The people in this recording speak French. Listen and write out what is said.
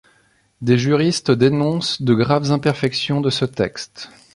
Des juristes dénoncent de graves imperfections de ce texte.